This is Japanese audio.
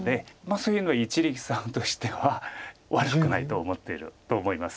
そういうのは一力さんとしては悪くないと思ってると思います。